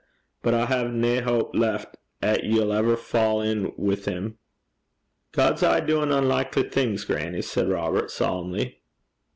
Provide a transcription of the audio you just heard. But I hae nae houp left 'at ye'll ever fa' in wi' him.' 'God's aye doin' unlikly things, grannie,' said Robert, solemnly.